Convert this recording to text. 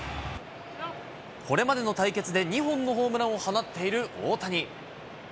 これまでの対決で、２本のホームランを放っている大谷。